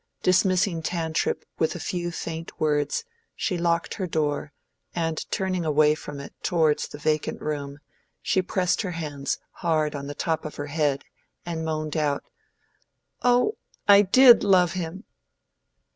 Dismissing Tantripp with a few faint words, she locked her door, and turning away from it towards the vacant room she pressed her hands hard on the top of her head, and moaned out— "Oh, I did love him!"